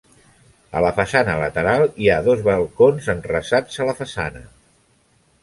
A la façana lateral hi ha dos balcons enrasats a la façana.